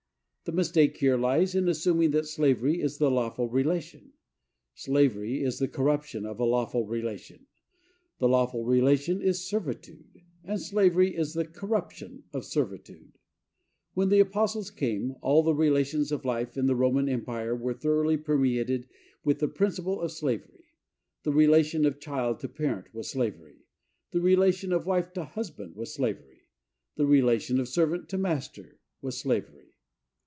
The mistake here lies in assuming that slavery is the lawful relation. Slavery is the corruption of a lawful relation. The lawful relation is servitude, and slavery is the corruption of servitude. When the apostles came, all the relations of life in the Roman empire were thoroughly permeated with the principle of slavery. The relation of child to parent was slavery. The relation of wife to husband was slavery. The relation of servant to master was slavery.